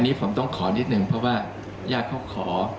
อันนี้ผมต้องขอนิดนึงเพราะว่าญาติเขาขอ